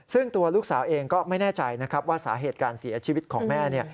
ซึ่งตัวลูกสาวเองก็ไม่แน่ใจนะครับว่าสาเหตุการเสียชีวิตของแม่